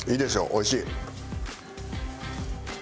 おいしい。